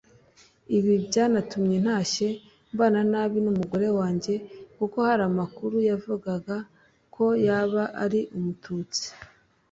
Ibi byanatumye ntashye mbana nabi n’umugore wanjye kuko hari amakuru yavugaga ko yaba ari Umututsi